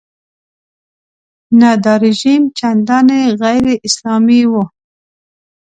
نه دا رژیم چندانې غیراسلامي و.